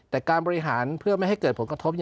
แต่การบริหารเพื่อไม่ให้เกิดผลกระทบ